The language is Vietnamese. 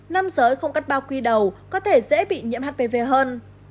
nam giới không cắt bao quy đầu có thể dễ bị nhiễm hpv hơn